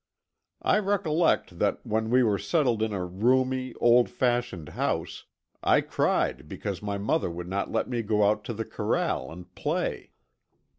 I recollect that when we were settled in a roomy, old fashioned house I cried because my mother would not let me go out to the corral and play.